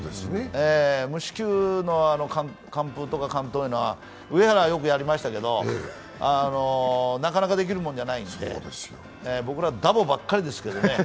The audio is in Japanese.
無四球の完封とか完投は上原はよくやりましたけど、なかなかできるもんじゃないんで僕ら、ダボばっかりですけどね。